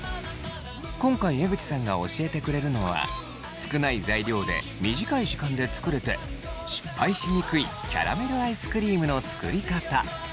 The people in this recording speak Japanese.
今回江口さんが教えてくれるのは少ない材料で短い時間で作れて失敗しにくいキャラメルアイスクリームの作り方。